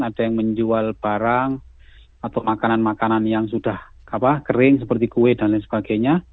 ada yang menjual barang atau makanan makanan yang sudah kering seperti kue dan lain sebagainya